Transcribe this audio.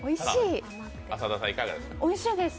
おいしいです。